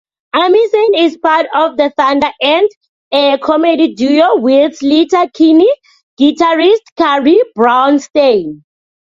Armisen is part of ThunderAnt, a comedy duo with Sleater-Kinney guitarist Carrie Brownstein.